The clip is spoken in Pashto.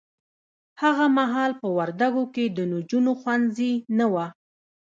هغه محال په وردګو کې د نجونو ښونځي نه وه